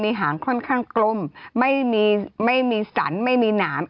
หางค่อนข้างกลมไม่มีไม่มีสันไม่มีหนาม